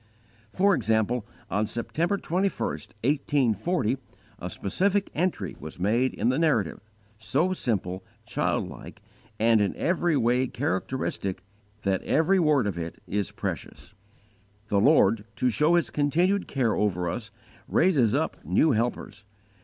For example, on September 21, 1840, a specific entry was made in the Narrative, so simple, childlike, and in every way characteristic, that every word of it is precious. "The Lord, to show His continued care over us, raises up new helpers.